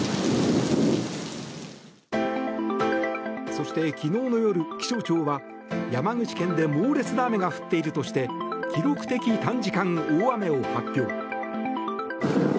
そして昨日の夜気象庁は、山口県で猛烈な雨が降っているとして記録的短時間大雨を発表。